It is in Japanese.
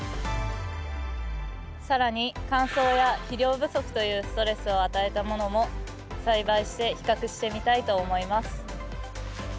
更に乾燥や肥料不足というストレスを与えたものも栽培して比較してみたいと思います。